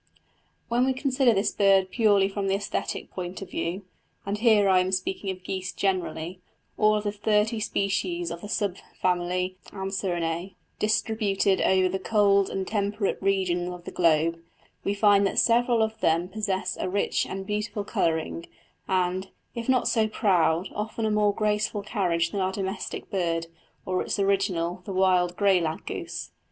When we consider this bird purely from the æsthetic point of view and here I am speaking of geese generally, all of the thirty species of the sub family Anserinæ, distributed over the cold and temperate regions of the globe we find that several of them possess a rich and beautiful colouring, and, if not so proud, often a more graceful carriage than our domestic bird, or its original, the wild grey lag goose.